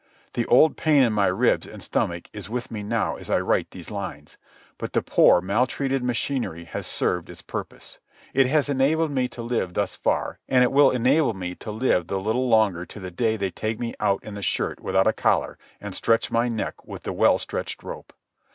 The old pain in my ribs and stomach is with me now as I write these lines. But the poor, maltreated machinery has served its purpose. It has enabled me to live thus far, and it will enable me to live the little longer to the day they take me out in the shirt without a collar and stretch my neck with the well stretched rope.